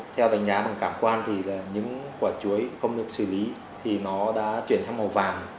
theo đánh giá bằng cảm quan thì những quả chuối không được sử dụng thì nó đã chuyển sang màu vàng